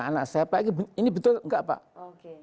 anak saya pak ini betul enggak pak